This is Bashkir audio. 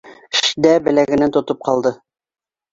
ЩДӘ беләгенән тотоп ҡалды